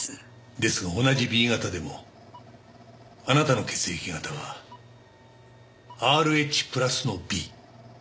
ですが同じＢ型でもあなたの血液型はＲＨプラスのＢ。